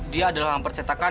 dia adalah orang percetakan